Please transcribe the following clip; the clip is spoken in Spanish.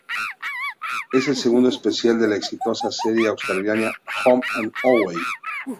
Es el segundo especial de la exitosa serie australiana "Home and Away".